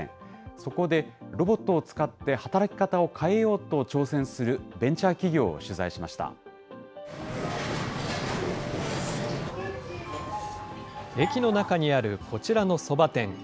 そこで、ロボットを使って働き方を変えようと挑戦するベンチャー駅の中にあるこちらのそば店。